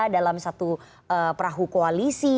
dalam satu perahu koalisi